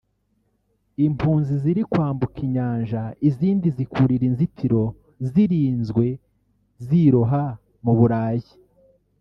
impunzi ziri kwambuka inyanja izindi zikurira inzitiro zirinzwe ziroha mu Burayi